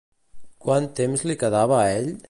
Quant temps li quedava a ell?